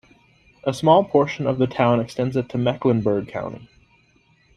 A small portion of the town extends into Mecklenburg County.